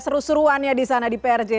seru seruannya di sana di prj